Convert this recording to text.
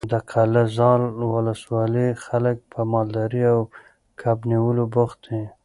د قلعه زال ولسوالۍ خلک په مالدارۍ او کب نیولو بوخت دي.